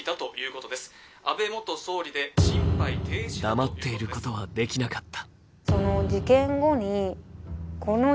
黙っていることはできなかった。